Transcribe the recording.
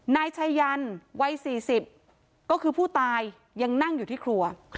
นายชายันวัย๔๐ก็คือผู้ตายยังนั่งอยู่ที่ครัว